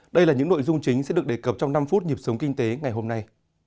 đây là những nội dung chính sẽ được đề cập trong năm phút nhịp sống kinh tế ngày hôm nay